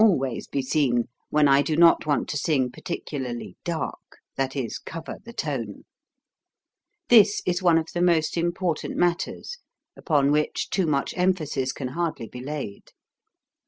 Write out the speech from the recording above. FORM 65 always be seen, when I do not want to sing particularly dark, that is cover the tone. This is one of the most important matters, upon which too much emphasis can hardly be laid.